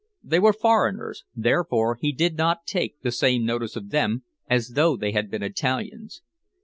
They were foreigners, therefore he did not take the same notice of them as though they had been Italians.